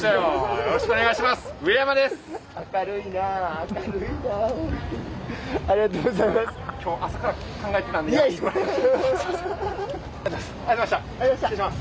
よろしくお願いします。